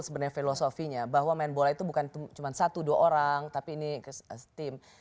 sebenarnya filosofinya bahwa main bola itu bukan cuma satu dua orang tapi ini tim